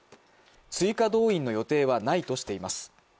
追加動員の予定はないとしています。